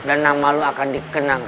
dan nama lu akan di kenang